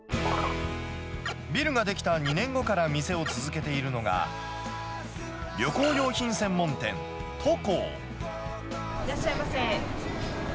ビルが出来た２年後から店を続けているのが、いらっしゃいませ。